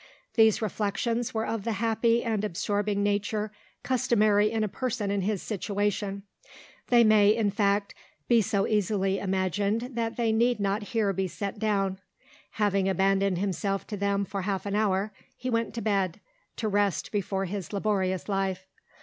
These reflections were of the happy and absorbing nature customary in a person in his situation; they may, in fact, be so easily imagined that they need not here be set down. Having abandoned himself to them for half an hour, he went to bed, to rest before his laborious life.